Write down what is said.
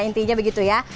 intinya begitu ya